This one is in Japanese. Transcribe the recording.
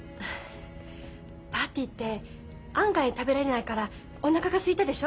「パーティーって案外食べられないからおなかがすいたでしょ？